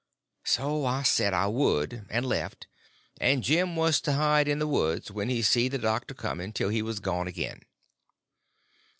So I said I would, and left, and Jim was to hide in the woods when he see the doctor coming till he was gone again.